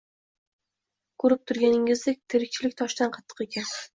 Ko‘rib turganingizday, tirikchilik toshdan qattiq ekan